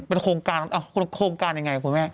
เป็นโครงการโครงการอย่างไรครับคุณแม่